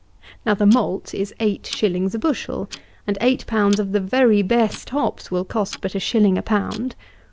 Now the malt is eight shillings a bushel, and eight pounds of the very best hops will cost but a shilling a pound.